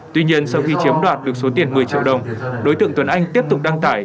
tuy nhiên sau khi chiếm đoạt được số tiền một mươi triệu đồng đối tượng tuấn anh tiếp tục đăng tải